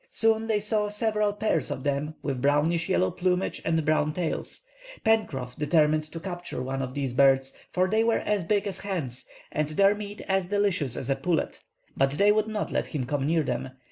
Soon they saw several pairs of them, with brownish yellow plumage and brown tails. Pencroff determined to capture one of these birds, for they were as big as hens, and their meat as delicious as a pullet. But they would not let him come near them.